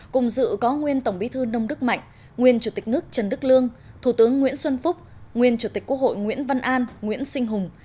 cùng dự có nguyên tổng bí thư nông đức mạnh nguyên chủ tịch nước trần đức lương thủ tướng nguyễn xuân phúc nguyên chủ tịch quốc hội nguyễn văn an nguyễn sinh hùng